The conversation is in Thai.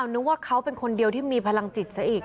นึกว่าเขาเป็นคนเดียวที่มีพลังจิตซะอีก